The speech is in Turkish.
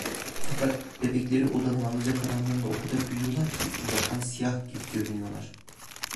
Fakat bebekleri odanın alacakaranlığında o kadar büyüyorlar ki, uzaktan siyah gibi görünüyorlar.